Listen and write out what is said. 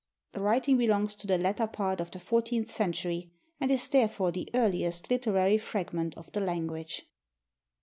The writing belongs to the latter part of the fourteenth century, and is therefore the earliest literary fragment of the language.